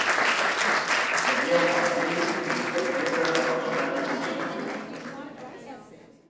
Daniel Auteuil interpreta el personatge principal.